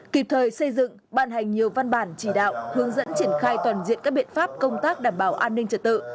kịp thời xây dựng ban hành nhiều văn bản chỉ đạo hướng dẫn triển khai toàn diện các biện pháp công tác đảm bảo an ninh trật tự